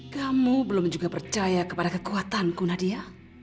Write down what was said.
kamu belum juga percaya kepada kekuatanku nadia